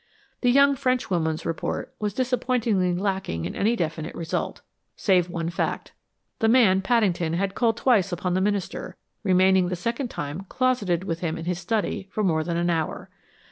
The young Frenchwoman's report was disappointingly lacking in any definite result save one fact. The man Paddington had called twice upon the minister, remaining the second time closeted with him in his study for more than an hour.